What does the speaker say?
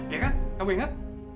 ya kan kamu inget